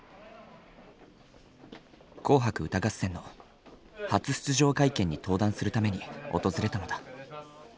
「紅白歌合戦」の初出場会見に登壇するために訪れたのだ。